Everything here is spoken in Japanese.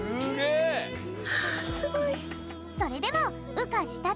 すごい！それでもうかしたて。